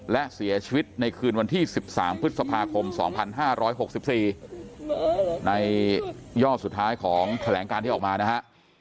และเสียชีวิตในคืนวันที่สิบสามพฤษภาคมสองพันห้าร้อยหกสิบสี่ในย่อสุดท้ายของแขลงการที่ออกมานะฮะ